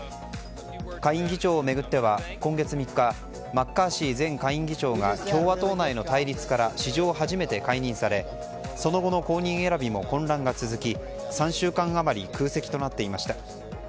下院議長を巡っては今月３日マッカーシー前下院議長が共和党内の対立から史上初めて解任されその後の後任選びも混乱が続き、３週間余り空席となっていました。